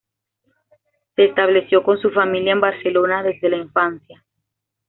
Se estableció con su familia en Barcelona desde la infancia.